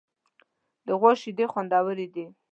د غوا شیدې خوندورې دي.